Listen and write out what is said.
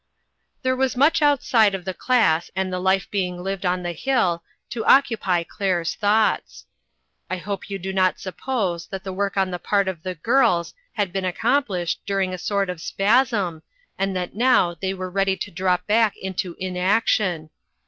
There was much outside of the class and the life being lived on the hill to occupy Claire's thoughts. I hope you do not sup pose that the work on the part of " the girls " had been accomplished during a sort of "spasm,"and that now they were ready to drop back into inaction.